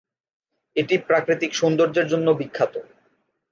এটি প্রাকৃতিক সৌন্দর্যের জন্য বিখ্যাত।